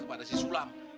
kepada si sulam